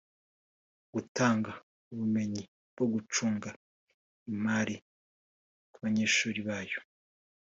gutanga ubumenyi bwo gucunga imari ku banyeshuri bayo